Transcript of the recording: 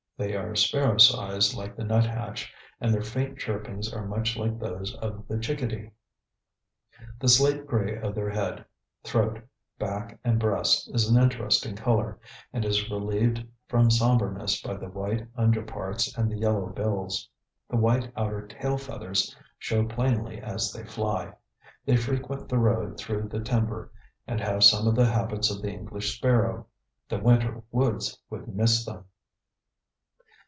They are sparrow size, like the nuthatch, and their faint chirpings are much like those of the chickadee. The slate gray of their head, throat, back and breast is an interesting color, and is relieved from somberness by the white under parts and the yellow bills. The white outer tailfeathers show plainly as they fly. They frequent the road through the timber and have some of the habits of the English sparrow. The winter woods would miss them.